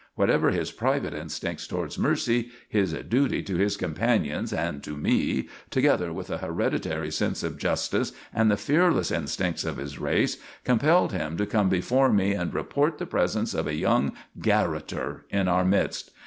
Whatever his private instincts towards mercy, his duty to his companions and to me, together with a hereditary sense of justice and the fearless instincts of his race, compelled him to come before me and report the presence of a young garroter in our midst.